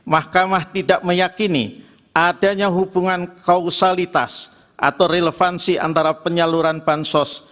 mahkamah tidak meyakini adanya hubungan kausalitas atau relevansi antara penyaluran bansos